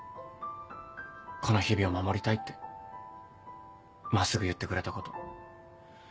「この日々を守りたい」って真っすぐ言ってくれたこと。